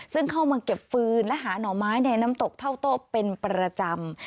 ซึ่งเข้ามาเก็บฟืนและหาหน่อไม้ในน้ำตกเท่าโต๊ะเป็นประจำ